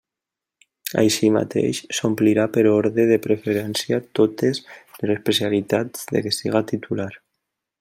Així mateix, s'omplirà, per orde de preferència, totes les especialitats de què siga titular.